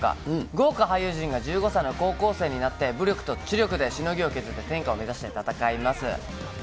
豪華俳優陣が１５歳の高校生になって、武力と知力でしのぎを削って天下を目指して戦います。